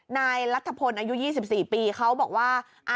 นายรัฐพลอายุ๒๔ปีเขาบอกว่า